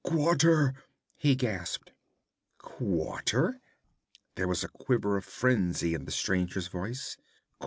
'Quarter!' he gasped. 'Quarter?' There was a quiver of frenzy in the stranger's voice.